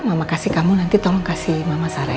mama kasih kamu nanti tolong kasih mama sarah